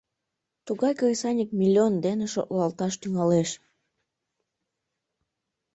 Тугай кресаньык миллион дене шотлалташ тӱҥалеш.